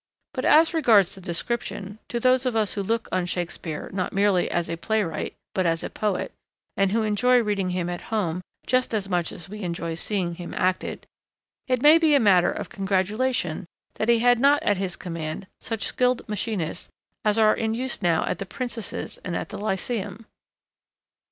But as regards the description, to those of us who look on Shakespeare not merely as a playwright but as a poet, and who enjoy reading him at home just as much as we enjoy seeing him acted, it may be a matter of congratulation that he had not at his command such skilled machinists as are in use now at the Princess's and at the Lyceum.